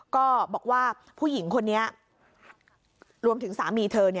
ก็บอกว่าผู้หญิงคนนี้รวมถึงสามีเธอ